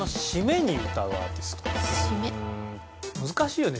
難しいよね